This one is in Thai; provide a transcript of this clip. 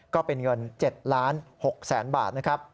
ก็เป็นเงิน๗๖๐๐๐๐๐บาท